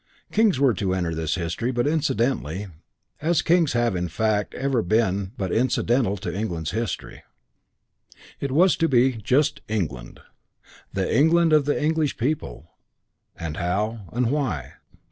Kings were to enter this history but incidentally, as kings have in fact ever been but incidental to England's history. It was to be just "England"; the England of the English people and how and why.